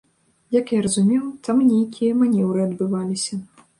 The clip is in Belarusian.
Як я зразумеў, там нейкія манеўры адбываліся.